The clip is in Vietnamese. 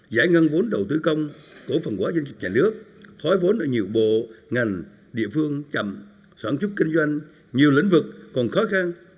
giải ngân vốn đầu tư công cổ phần quả doanh nghiệp nhà nước thói vốn ở nhiều bộ ngành địa phương chậm soạn trúc kinh doanh nhiều lĩnh vực còn khó khăn